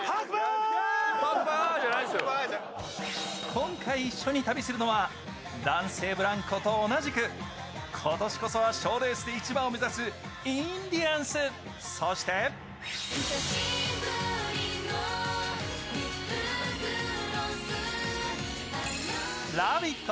今回一緒に旅するのは男性ブランコと同じく今年こそは賞レースで１番を目指すインディアンス、そして「ラヴィット！」